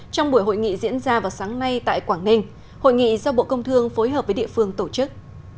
trong buổi hội nghị diễn ra vào sáng nay tại quảng ninh hội nghị do bộ công thương phối hợp với địa phương tổ chức